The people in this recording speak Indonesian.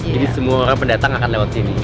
jadi semua orang pendatang akan lewat sini